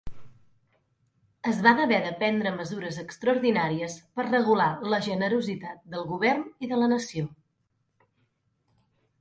Es van haver de prendre mesures extraordinàries per regular la generositat del govern i de la nació.